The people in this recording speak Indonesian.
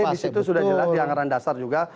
di situ sudah jelas di anggaran dasar juga